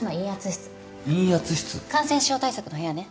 陰圧室？感染症対策の部屋ね。